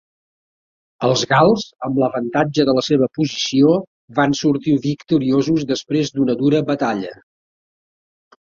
Els gals, amb l'avantatge de la seva posició, van sortir victoriosos després d'una dura batalla.